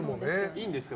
いいんですか？